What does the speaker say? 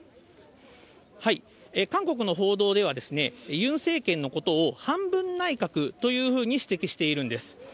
韓国の報道では、ユン政権のことを半分内閣というふうに指摘しているんです。